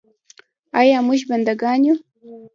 آیا موږ بنده ګان یو؟